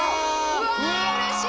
うわうれしい！